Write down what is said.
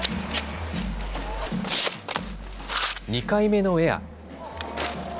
２回目のエア。